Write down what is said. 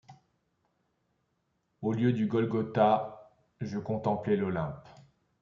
Au lieu du Golgotha je contemplai l'Olympe ;